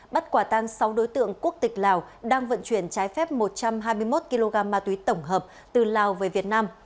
bắt quả tang sáu đối tượng quốc tịch lào đang vận chuyển trái phép một trăm hai mươi một kg ma túy tổng hợp từ lào về việt nam